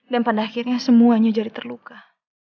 dan pada akhirnya semuanya jadi terluka